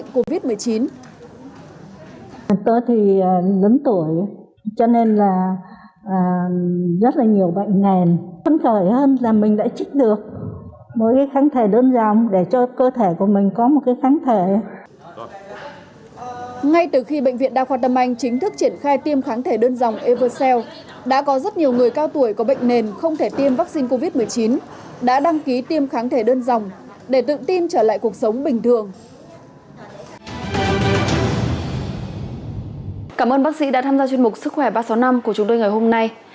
cảm ơn bác sĩ đã tham gia chuyên mục sức khỏe ba trăm sáu mươi năm của chúng tôi ngày hôm nay